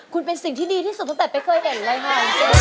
คุณเป็นสิ่งที่ดีที่สุดตั้งแต่ไม่เคยเห็นเลยค่ะ